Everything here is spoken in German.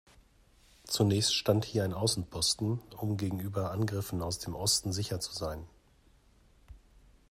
Zunächst stand hier ein Außenposten, um gegenüber Angriffen aus dem Osten sicher zu sein.